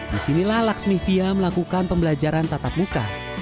disinilah laksmivia melakukan pembelajaran tatap muka